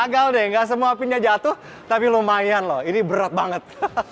gagal deh gak semua pinnya jatuh tapi lumayan loh ini berat banget